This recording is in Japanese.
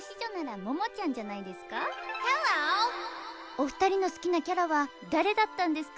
お二人の好きなキャラは誰だったんですか？